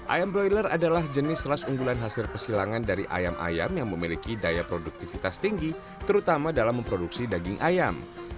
ayam broiler adalah jenis ras unggulan hasil pesilangan dari ayam ayam yang memiliki daya produktivitas tinggi terutama dalam memproduksi daging ayam